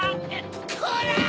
こら！